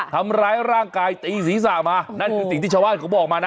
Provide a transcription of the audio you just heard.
ทำร้ายร่างกายตีศีรษะมานั่นคือสิ่งที่ชาวบ้านเขาบอกมานะ